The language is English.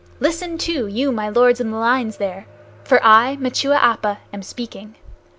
Listen, too, you my lords in the lines there, for I, Machua Appa, am speaking!